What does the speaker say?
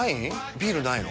ビールないの？